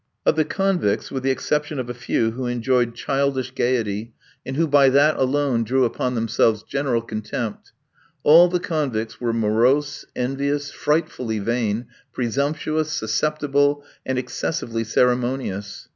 Of the convicts with the exception of a few who enjoyed childish gaiety, and who by that alone drew upon themselves general contempt all the convicts were morose, envious, frightfully vain, presumptuous, susceptible, and excessively ceremonious.